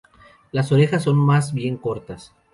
Las orejas son más bien cortas.